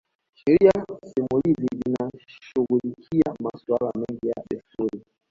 Sheria simulizi zinashughulikia masuala mengi ya desturi